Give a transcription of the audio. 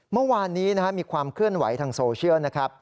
เมื่อวานนี้มีความเคลื่อนไหวทางโซเชียลนะครับ